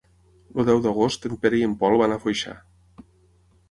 El deu d'agost en Pere i en Pol van a Foixà.